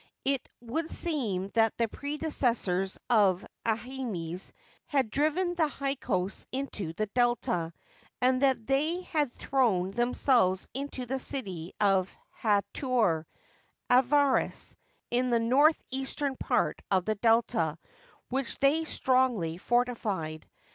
It would seem that the predecessors of Aahmes had driven the Hyksos into the Delta, and that they had thrown themselves into the city of Hdtoudr (Avaris), in the north eastern part of the Delta, which they strongly fortified.